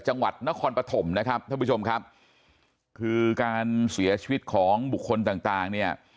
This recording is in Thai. จังหวัดนครปฐมนะครับท่านผู้ชมครับคือการเสียชีวิตของบุคคลต่างต่างเนี่ย